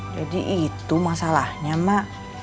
jadi itu masalahnya mak